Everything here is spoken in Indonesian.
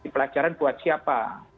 pelajaran buat siapa